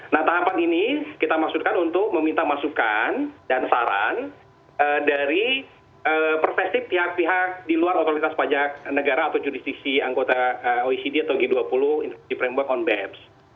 nah tahapan ini kita maksudkan untuk meminta masukan dan saran dari persesi pihak pihak di luar otoritas pajak negara atau judisi anggota oecd atau g dua puluh framework on beps